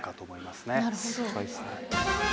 すごいですね。